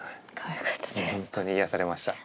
本当に癒やされました。